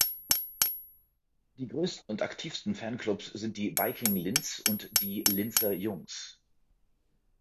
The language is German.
Die größten und aktivsten Fanclubs sind die "Viking Linz" und die "Linzer Jungs".